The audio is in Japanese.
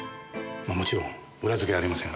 もちろん裏付けはありません。